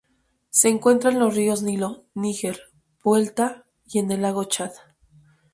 Se encuentra en los ríos Nilo, Níger, Vuelta y en el lago Chad.